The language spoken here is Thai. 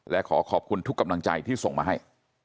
และขอขอบคุณทุกกำลังใจที่ส่งมาให้